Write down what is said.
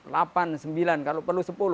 delapan sembilan kalau perlu sepuluh